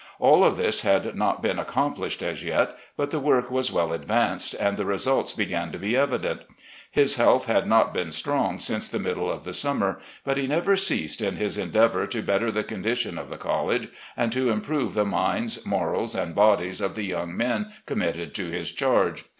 All of this had not been accomplished as yet, but the work was well advanced, and the results began to be evident. His health had not been strong since the middle of the summer, but he never ceased in his en deavour to better the condition of the college, and to improve the minds, morals, and bodies of the young men committed to his charge.